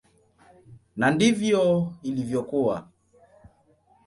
Na ndivyo ilivyokuwa.